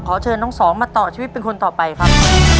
เชิญน้องสองมาต่อชีวิตเป็นคนต่อไปครับ